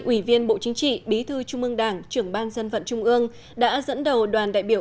ủy viên bộ chính trị bí thư trung ương đảng trưởng ban dân vận trung ương đã dẫn đầu đoàn đại biểu